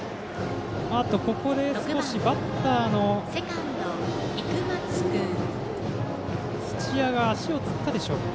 ここで少しバッターの土谷が足をつったでしょうか。